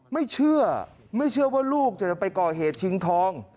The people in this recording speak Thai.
ไม่เชื่อไม่เชื่อว่าลูกจะไปก่อเหตุชิงทอง